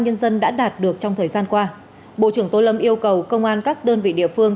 nhân dân đã đạt được trong thời gian qua bộ trưởng tô lâm yêu cầu công an các đơn vị địa phương